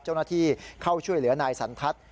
เจ้าหน้าที่เข้าช่วยเหลือนายสันทัศน์